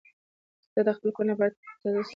زه د خپلې کورنۍ لپاره تازه سنکس جوړوم.